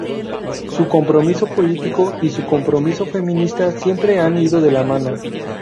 Su compromiso político y su compromiso feminista siempre han ido de la mano.